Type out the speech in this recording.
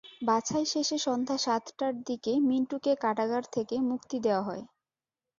বাছাই শেষে সন্ধ্যা সাতটার দিকে মিন্টুকে কারাগার থেকে মুক্তি দেওয়া হয়।